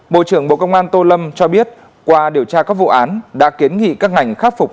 bộ trưởng bộ công an tô lâm cho biết qua điều tra các vụ án đã kiến nghị các ngành khắc phục